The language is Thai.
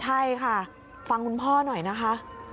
ใช่ค่ะฟังคุณพ่อหน่อยนะคะ